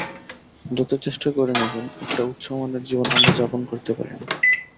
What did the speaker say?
যত চেষ্টাই করি না কেন, একটি উচ্চমানের জীবন আমরা যাপন করিতে পারি না।